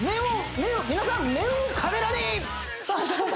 皆さん面をカメラに！